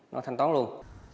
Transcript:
nó thanh toán luôn